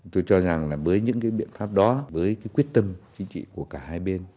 tôi cho rằng với những biện pháp đó với quyết tâm chính trị của cả hai bên